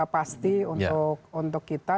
pasti untuk kita